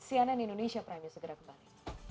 cnn indonesia prime news segera kembali